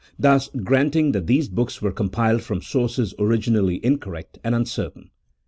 Thus granting that these books were compiled from sources originally incorrect and uncertain.